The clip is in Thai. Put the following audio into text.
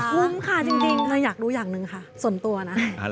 คุ้มค่ะจริงค่ะอยากรู้อย่างหนึ่งค่ะส่วนตัวนะ